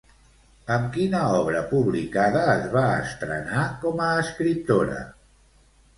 Amb quina obra publicada es va estrenar com a escriptora?